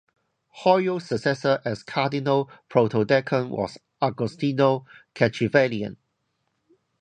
Hoyos' successor as Cardinal protodeacon was Agostino Cacciavillan.